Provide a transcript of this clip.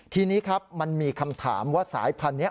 ทีนี้ครับมันมีคำถามว่าสายพันธุ์นี้